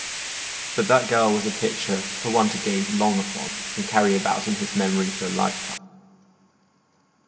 But that girl was a picture for one to gaze long upon and carry about in his memory for a lifetime.